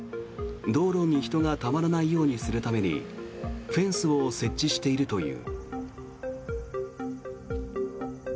道路に人がたまらないようにするためにフェンスを設置しているという。